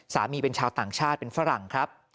เป็นชาวต่างชาติเป็นฝรั่งครับ